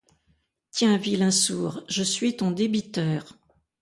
Tiens, vilain sourd! je suis ton débiteur.